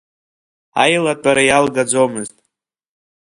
Аилатәара иалгаӡомызт.